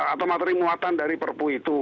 atau materi muatan dari perpu itu